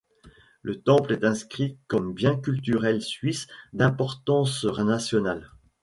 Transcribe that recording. Le temple est inscrit comme bien culturel suisse d'importance nationale.